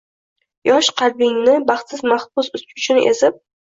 yosh qalbingni baxtsiz mahbus uchun ezib